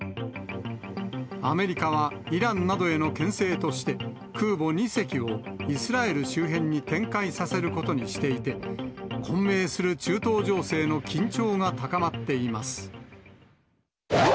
アメリカはイランなどへのけん制として、空母２隻をイスラエル周辺に展開させることにしていて、混迷する中東情勢の緊張が高まっています。